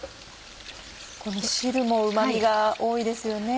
この汁もうま味が多いですよね。